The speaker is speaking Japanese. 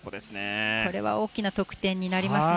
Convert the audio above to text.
大きな得点になりますね。